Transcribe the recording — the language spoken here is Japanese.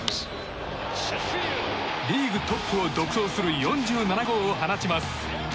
リーグトップを独走する４７号を放ちます。